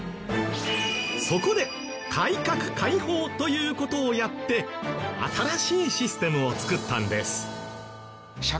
そこで改革開放という事をやって新しいシステムをつくったんです。